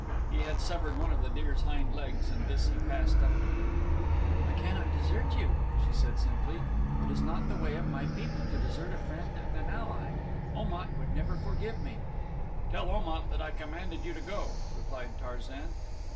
He had severed one of the deer's hind legs and this he passed up to her. "I cannot desert you," she said simply; "it is not the way of my people to desert a friend and ally. Om at would never forgive me." "Tell Om at that I commanded you to go," replied Tarzan.